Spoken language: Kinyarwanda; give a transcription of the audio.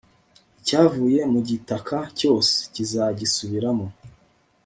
icyavuye mu gitaka cyose, kizagisubiramo